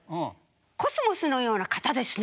「コスモスのような方ですね」